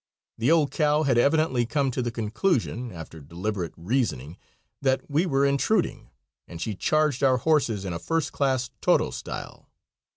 The old cow had evidently come to the conclusion, after deliberate reasoning, that we were intruding, and she charged our horses in a first class "toro" style.